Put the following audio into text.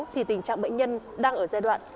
thì tình trạng bệnh nhân đang ở giai đoạn